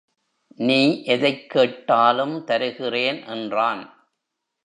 நீ எதைக் கேட்டாலும் தருகிறேன் என்றான்.